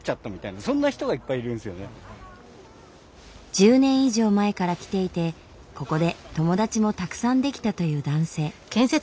１０年以上前から来ていてここで友達もたくさん出来たという男性。